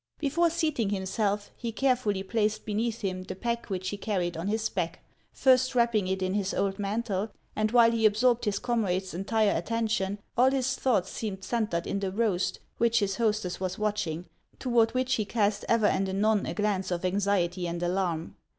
Before seating himself, he carefully placed beneath him the pack which he carried on his back, first wrapping it in his old mantle, and while he absorbed his comrade's entire attention, all his thoughts seemed centred in the roast which his hostess was watching, toward which he cast ever and anon a glance of anxiety and alarm.